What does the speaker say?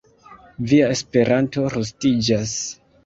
Via Esperanto rustiĝas.